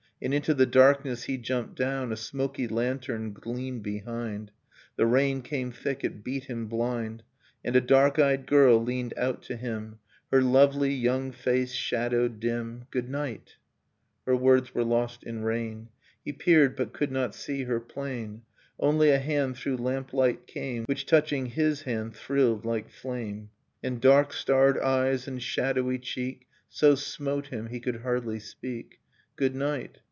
And into the darkness he jumped down. A smoky lantern gleamed behind. The rain came thick, it beat him blind. And a dark eyed girl leaned out to him, Her lovely young face shadowed dim. 'Good night !' Her words were lost in rain. He peered, but could not see her plain. Only, a hand through lamplight came Which touching his hand thrilled like flame ; And dark starred eyes and shadowy cheek So smote him he could hardly speak. 'Good night!'